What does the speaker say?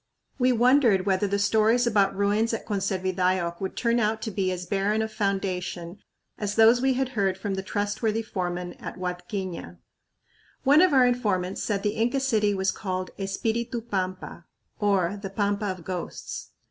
We wondered whether the stories about ruins at Conservidayoc would turn out to be as barren of foundation as those we had heard from the trustworthy foreman at Huadquiña. One of our informants said the Inca city was called Espiritu Pampa, or the "Pampa of Ghosts."